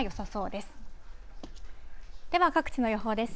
では、各地の予報です。